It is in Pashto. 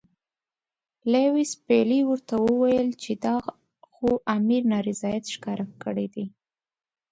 لیویس پیلي ورته وویل چې دا خو امیر نارضاییت ښکاره کړی دی.